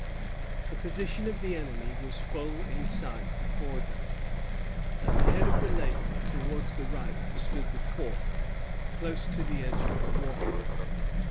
The position of the enemy was full in sight before them. At the head of the lake, towards the right, stood the fort, close to the edge of the water.